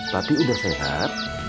tapi udah sehat